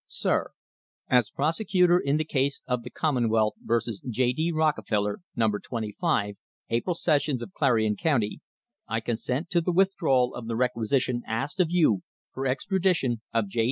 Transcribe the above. Sir — As prosecutor in the case of the Commonwealth vs. J. D. Rockefeller, Number 25, April Sessions of Clarion County, I consent to the withdrawal of the requisition asked of you for extradition of J.